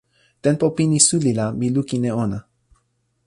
tenpo pini suli la mi lukin e ona.